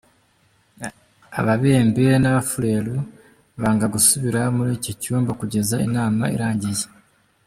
Ababembe n’abafuliru banga gusubira muri icyo cyumba kugeza inama irangiye.